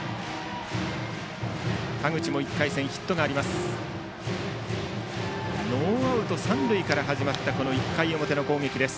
田口も１回戦ヒットがあります。